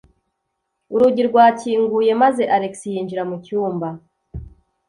Urugi rwakinguye maze Alex yinjira mu cyumba.